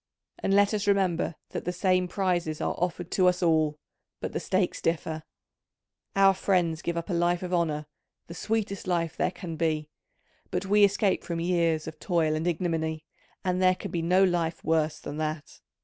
And let us remember that the same prizes are offered to us all, but the stakes differ: our friends give up a life of honour, the sweetest life there can be, but we escape from years of toil and ignominy, and there can be no life worse than that.